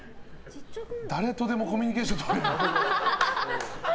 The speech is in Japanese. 誰とでもコミュニケーションとれる。